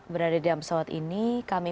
berada dalam pesawat ini kami